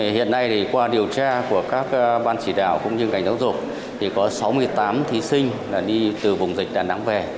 hiện nay qua điều tra của các ban chỉ đạo cũng như ngành giáo dục thì có sáu mươi tám thí sinh đi từ vùng dịch đà nẵng về